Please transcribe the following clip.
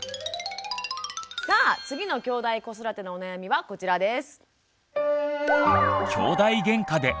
さあ次のきょうだい子育てのお悩みはこちらです。